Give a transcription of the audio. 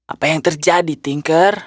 apa yang terjadi tinker